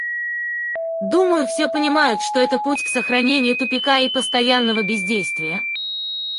Думаю, все понимают, что это путь к сохранению тупика и постоянного бездействия.